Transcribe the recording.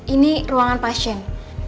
ini ruangan pasien